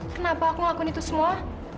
kenapa aku ngelakuin itu semua